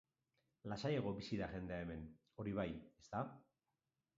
Lasaiago bizi da jendea hemen, hori bai, ezta?